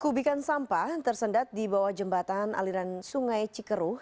kubikan sampah tersendat di bawah jembatan aliran sungai cikeruh